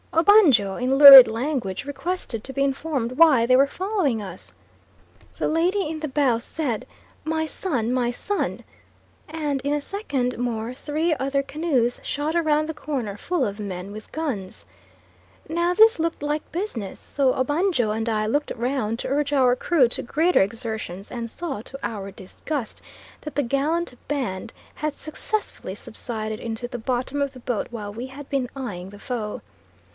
Obanjo in lurid language requested to be informed why they were following us. The lady in the bows said, "My son! my son!" and in a second more three other canoes shot round the corner full of men with guns. Now this looked like business, so Obanjo and I looked round to urge our crew to greater exertions and saw, to our disgust, that the gallant band had successfully subsided into the bottom of the boat while we had been eyeing the foe.